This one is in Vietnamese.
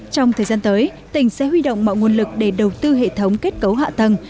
trong thời gian tới tỉnh sẽ huy động mọi nguồn lực để đầu tư hệ thống kết cấu hạ tầng